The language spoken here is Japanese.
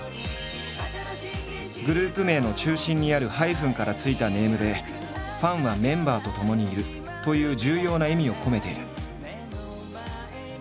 グループ名の中心にあるハイフンから付いたネームで「ファンはメンバーとともにいる」という重要な意味を込めている。